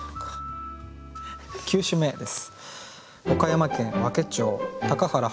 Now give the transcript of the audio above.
９首目です。